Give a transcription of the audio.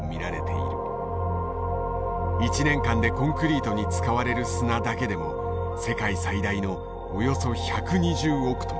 １年間でコンクリートに使われる砂だけでも世界最大のおよそ１２０億トン。